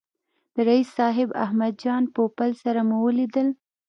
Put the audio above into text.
د رییس صاحب احمد جان پوپل سره مو ولیدل.